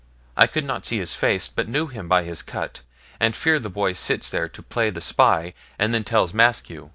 I could not see his face, but knew him by his cut, and fear the boy sits there to play the spy and then tells Maskew.'